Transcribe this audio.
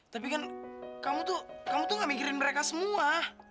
tapi kan kamu tuh kamu tuh gak mikirin mereka semua